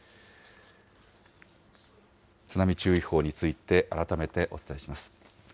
津波注意報について、改めてお伝えします。